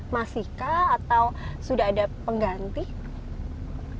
masihkah atau sudah ada pengganti